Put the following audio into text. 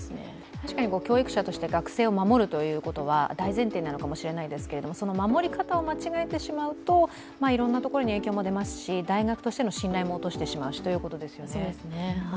確かに教育者として学生を守るというのは大前提かもしれませんが守り方を間違えてしまうといろんなところに影響も出ますし大学としての信頼も落としてしまうしということですね。